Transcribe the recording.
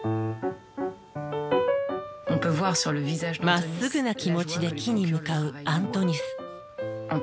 まっすぐな気持ちで木に向かうアントニス。